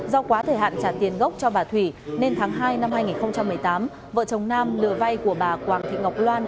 do quá thời hạn trả tiền gốc cho bà thủy nên tháng hai năm hai nghìn một mươi tám vợ chồng nam lừa vay của bà quảng thị ngọc loan